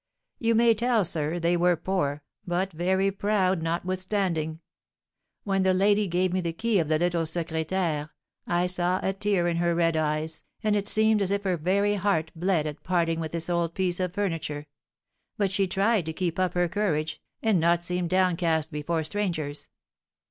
You may tell, sir, they were poor, but very proud notwithstanding. When the lady gave me the key of the little secrétaire, I saw a tear in her red eyes, and it seemed as if her very heart bled at parting with this old piece of furniture; but she tried to keep up her courage, and not seem downcast before strangers.